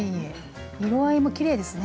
色合いもきれいですね。